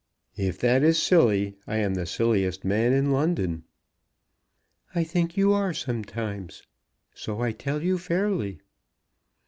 "If that is silly, I am the silliest man in London." "I think you are sometimes; so I tell you fairly."